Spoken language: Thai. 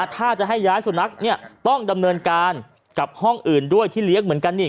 ถ้าจะให้ย้ายสุนัขต้องดำเนินการกับห้องอื่นด้วยที่เลี้ยงเหมือนกันนี่